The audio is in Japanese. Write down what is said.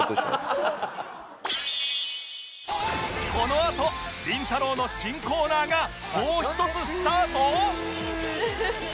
このあとりんたろー。の新コーナーがもう一つスタート！？